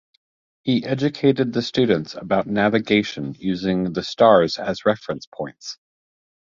He educated the students about navigation using the stars as reference points.